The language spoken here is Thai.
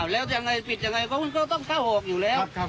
แล้วปิดยังไงก็ต้องเข้าหอกอยู่แล้ว